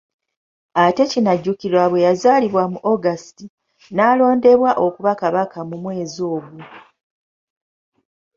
Ate kinajjukirwa bwe yazaalibwa mu August, n'alondebwa okuba Kabaka mu mwezi ogwo.